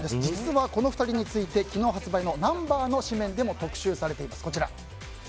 実はこの２人について昨日発売の「Ｎｕｍｂｅｒ」の誌面でも特集されています。